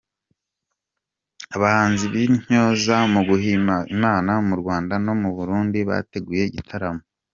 Abahanzi b’intyoza mu guhimaza Imana mu Rwanda no mu Burundi bateguye igitaramo